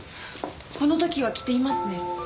この時は着ていますね。